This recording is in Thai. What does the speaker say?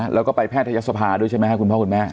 แล้วก็ไปแพทยศภาด้วยใช่ไหมครับคุณพ่อคุณแม่